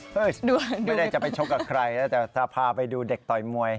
เฮ้ยเฮ้ยไม่ได้จะไปชกกับใครแต่จะพาไปดูเด็กต่อยมวย